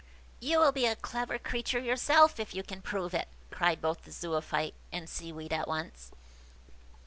"You will be a clever creature yourself if you can prove it!" cried both the Zoophyte and Seaweed at once.